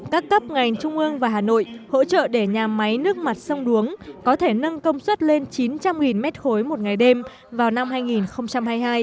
các cấp ngành trung ương và hà nội hỗ trợ để nhà máy nước mặt sông đuống có thể nâng công suất lên chín trăm linh m ba một ngày đêm vào năm hai nghìn hai mươi hai